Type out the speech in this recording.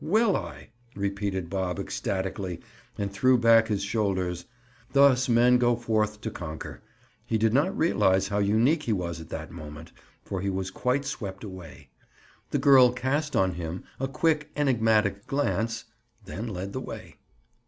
"Will I?" repeated Bob, ecstatically, and threw back his shoulders. Thus men go forth to conquer. He did not realize how unique he was at the moment, for he was quite swept away. The girl cast on him a quick enigmatic glance, then led the way.